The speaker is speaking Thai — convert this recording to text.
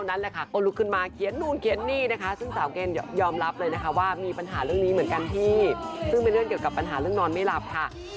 น่าคล้างเหลือกนะ